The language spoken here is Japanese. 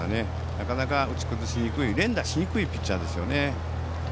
なかなか打ち崩しにくい連打しにくいピッチャーですよね。